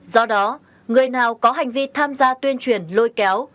do đó người nào có hành vi tham gia tuyên truyền lôi kéo